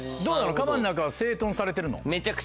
カバンの中は整頓されてるの？